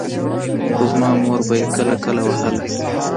خو زما مور به يې کله کله وهله.